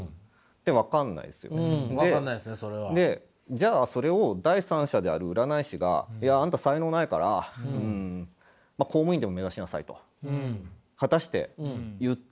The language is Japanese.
じゃあそれを第三者である占い師がいやあんた才能ないからうん公務員でも目指しなさいと果たして言っていいのか。